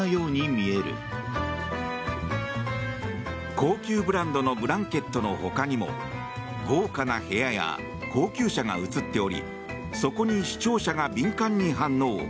高級ブランドのブランケットの他にも豪華な部屋や高級車が映っておりそこに視聴者が敏感に反応。